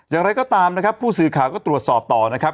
อย่างไรก็ตามนะครับผู้สื่อข่าวก็ตรวจสอบต่อนะครับ